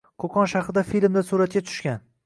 Qoʻqon shahrida filmda suratga tushgan.